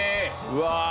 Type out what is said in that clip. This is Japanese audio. うわ。